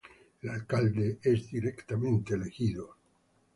El alcalde es directamente elegido.